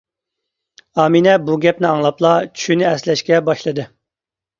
ئامىنە بۇ گەپنى ئاڭلاپلا چۈشىنى ئەسلەشكە باشلىدى.